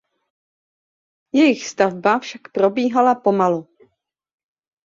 Jejich stavba však probíhala pomalu.